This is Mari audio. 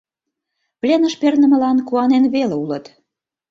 пленыш пернымылан куанен веле улыт.